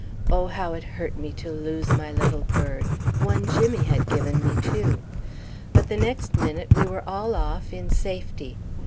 Oh, how it hurt me to lose my little bird, one Jimmy had given me, too! But the next minute we were all off, in safety.